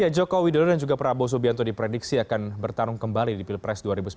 joko widodo dan juga prabowo subianto diprediksi akan bertarung kembali di pilpres dua ribu sembilan belas